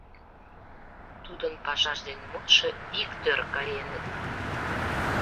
Тудын пашаж ден мутшо иктӧр каеныт.